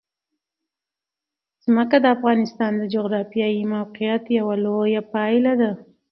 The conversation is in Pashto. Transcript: ځمکه د افغانستان د جغرافیایي موقیعت یوه لویه پایله ده.